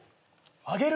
あげる！？